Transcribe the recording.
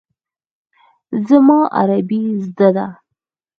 زما عربي زده ده.